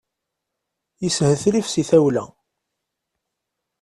Yeshetrif si tawla.